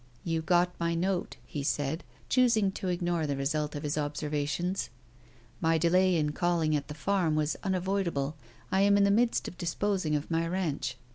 "You got my note," he said, choosing to ignore the result of his observations. "My delay in calling at the farm was unavoidable. I am in the midst of disposing of my ranch.